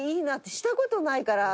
したことないから。